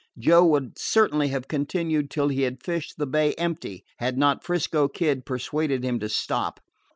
Joe would certainly have continued till he had fished the bay empty, had not 'Frisco Kid persuaded him to stop.